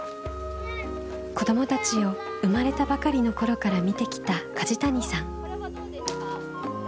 子どもたちを生まれたばかりの頃から見てきた楫谷さん。